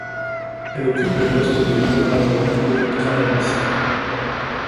Elle occupe le poste de leader adjoint du groupe travailliste.